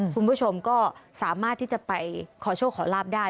คุณผู้ชมก็สามารถที่จะไปขอโชคขอลาบได้